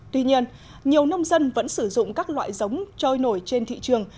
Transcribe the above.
tuy nhiên nhiều nông dân vẫn sử dụng các loại giống trôi nổi trên thị trường